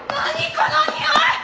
このにおい！